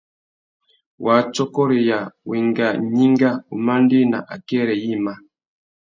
Wātsôkôreya, wenga gnïnga, umandēna akêrê yïmá.